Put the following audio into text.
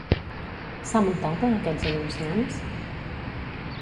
S'ha multat a aquests anunciants?